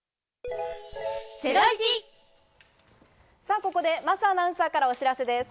ここで、桝アナウンサーからお知らせです。